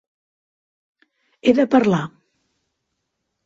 He de parlar.